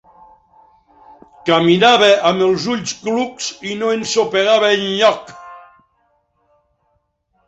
Caminava amb els ulls clucs i no ensopegava enlloc.